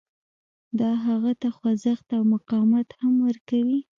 دا هغه ته خوځښت او مقاومت هم ورکوي